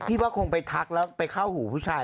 ว่าคงไปทักแล้วไปเข้าหูผู้ชาย